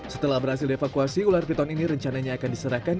setelah berhasil dievakuasi ular piton ini rencananya akan diserahkan